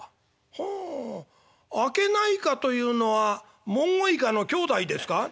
ほうあけないかというのはモンゴウイカの兄弟ですか？」。